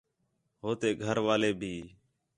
ہو تے گھر والے بھی